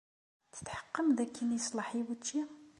Tetḥeqqem dakken yeṣleḥ i wučči?